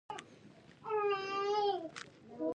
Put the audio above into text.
د دوی لویه برخه مخ په بیوزلۍ روانه وه.